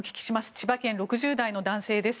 千葉県、６０代の男性です。